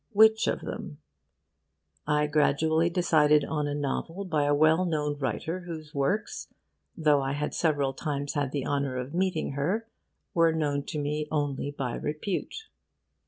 Which of them? I gradually decided on a novel by a well known writer whose works, though I had several times had the honour of meeting her, were known to me only by repute.